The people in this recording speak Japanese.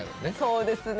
そうですね